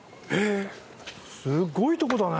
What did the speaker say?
すごいとこだね。